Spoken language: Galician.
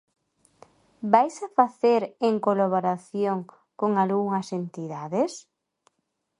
¿Vaise facer en colaboración con algunhas entidades?